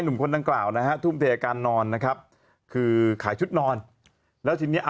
หนุ่มคนดังกล่าวนะฮะทุ่มที่อาการนอนนะครับคือขายชุดนอนแล้วทีนี้อ่ะ